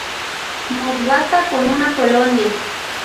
Nos basta con una colonia.